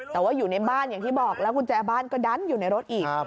แต่ว่าอยู่ในบ้านอย่างที่บอกแล้วกุญแจบ้านก็ดันอยู่ในรถอีก